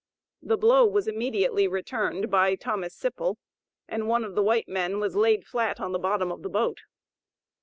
The blow was immediately returned by Thomas Sipple, and one of the white men was laid flat on the bottom of the boat.